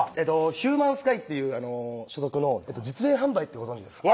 ヒューマンスカイっていう所属の実演販売ってご存じですか？